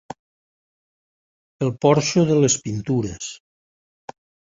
El porxo de les pintures